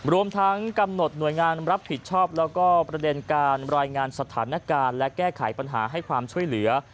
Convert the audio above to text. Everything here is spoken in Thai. รวมทั้งกำหนดหน่วยงานรับผิดชอบแล้วก็ประเด็นการรายงานสถานการณ์และแก้ไขปัญหาให้ความช่วยเหลือ